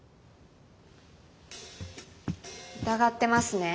疑ってますね？